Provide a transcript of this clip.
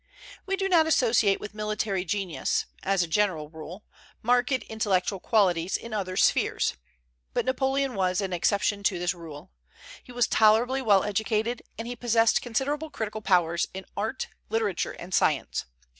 We do not associate with military genius, as a general rule, marked intellectual qualities in other spheres. But Napoleon was an exception to this rule. He was tolerably well educated, and he possessed considerable critical powers in art, literature, and science.